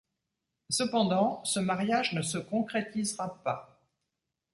Cependant ce mariage ne se concrétisera pas.